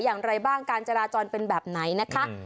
อย่างไรบ้างการจราจรเป็นแบบไหนนะคะ